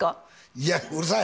いやうるさい！